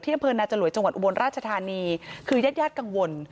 ที่อำเภอนาจารย์จังหวัดอวนราชธานีคือญาติยาติกังวล